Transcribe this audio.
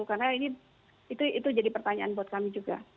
karena ini itu jadi pertanyaan buat kami juga